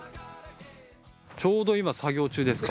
ちょうど今作業中ですか。